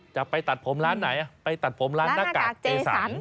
จะไปตัดผมร้านไหนไปตัดผมร้านหน้ากากเกสัน